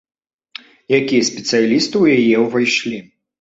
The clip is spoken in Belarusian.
Якія спецыялісты ў яе ўвайшлі?